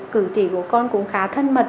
cử chỉ của con cũng khá thân mật